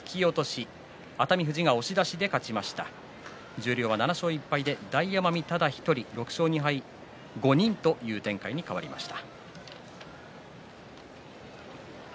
十両は７勝１敗で大奄美ただ１人６勝２敗５人という展開に変わりました。